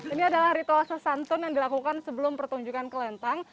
ini adalah ritual sesantun yang dilakukan sebelum pertunjukan kelenteng